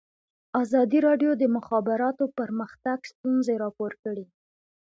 ازادي راډیو د د مخابراتو پرمختګ ستونزې راپور کړي.